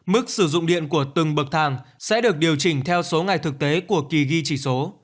mức sử dụng điện của từng bậc thang sẽ được điều chỉnh theo số ngày thực tế của kỳ ghi chỉ số